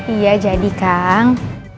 iya jadi kang